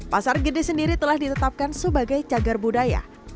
pasar gede sendiri telah ditetapkan sebagai cagar budaya